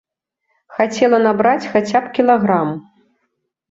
Хацела набраць хаця б кілаграм.